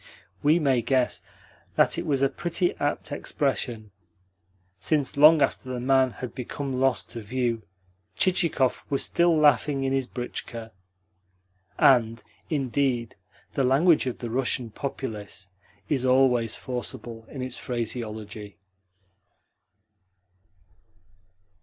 We may guess that it was a pretty apt expression, since long after the man had become lost to view Chichikov was still laughing in his britchka. And, indeed, the language of the Russian populace is always forcible in its phraseology.